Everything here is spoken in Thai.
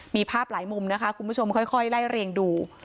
มีภาพหลายมุมนะคะคุณผู้ชมค่อยไล่เรียงดู